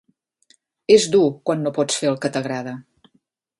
És dur quan no pots fer el que t'agrada.